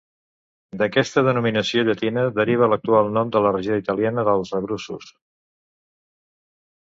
D'aquesta denominació llatina deriva l'actual nom de la regió italiana dels Abruços.